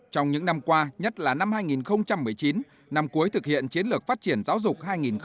trong những năm qua nhất là năm hai nghìn một mươi chín năm cuối thực hiện chiến lược phát triển giáo dục hai nghìn một mươi một hai nghìn hai mươi